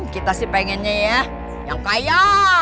kita sih pengennya ya yang kaya